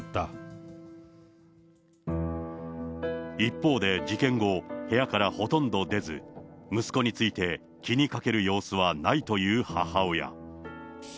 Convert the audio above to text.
一方で、事件後、部屋からほとんど出ず、息子について気にかける様子はないという母親。